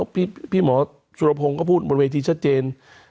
พี่หมอสุรพงศ์ก็พูดบนเวทีชัดเจน